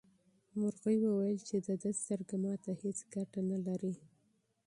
مرغۍ وویل چې د ده سترګه ماته هیڅ ګټه نه لري.